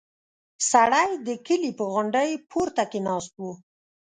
سړی د کلي په غونډۍ پورته کې ناست و.